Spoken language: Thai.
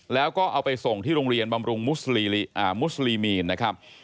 แล้วก็เอาไปส่งที่โรงเรียนบำรุงมุสลีมีนนะครับ